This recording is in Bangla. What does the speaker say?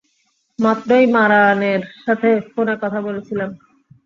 মাত্রই মারানের সাথে ফোনে কথা বলছিলাম।